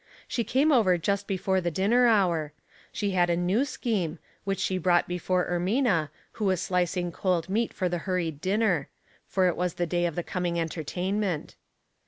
She came over just before the dinner hour. She had a new scheme, which she brought before Ermina, who was slicing cold meat for the hurried dinner; for it was the day of the coming entertainment.